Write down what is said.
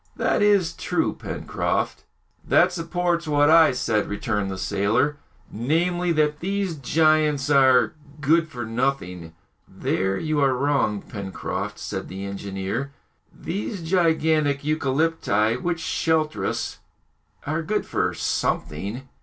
"That is true, Pencroft." "That supports what I said," returned the sailor, "namely, that these giants are good for nothing!" "There you are wrong, Pencroft," said the engineer; "these gigantic eucalypti, which shelter us, are good for something."